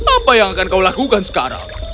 apa yang akan kau lakukan sekarang